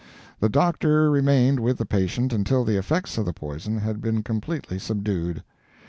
The Doctor remained with the patient until the effects of the poison had been completely subdued.